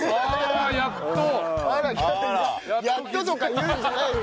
「やっと！」とか言うんじゃないよ。